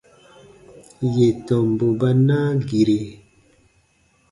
Yè tɔmbu ba naa gire.